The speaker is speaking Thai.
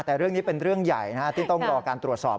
แต่เรื่องนี้เป็นเรื่องใหญ่ที่ต้องรอการตรวจสอบ